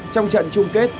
trong trận chung kết